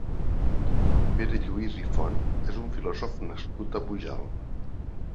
Pere Lluís i Font és un filòsof nascut a Pujalt.